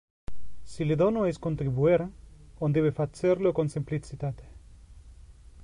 Si le dono es contribuer, on debe facer lo con simplicitate.